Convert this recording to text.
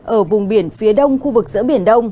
ở vùng biển phía đông khu vực giữa biển đông